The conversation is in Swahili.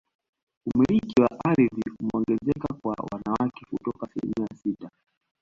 Umiliki wa ardhi umeongezeka kwa wanawake kutoka asilimia sita